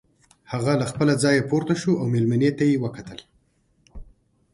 هغه له خپله ځايه پورته شو او مېلمنې ته يې وکتل.